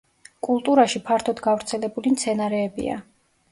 კულტურაში ფართოდ გავრცელებული მცენარეებია.